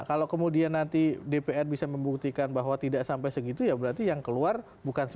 kalau kemudian nanti dpr bisa membuktikan bahwa tidak sampai segitu ya berarti yang keluar bukan